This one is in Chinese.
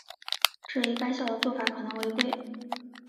质疑该校的做法可能违规。